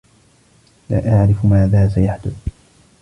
لا أعرف ماذا سيحدث.